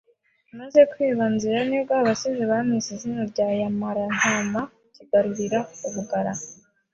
Amaze kwiba Nzira ni bwo abasizi bamwise izina rya yamarantama kigaruriye u bugara